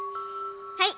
はい！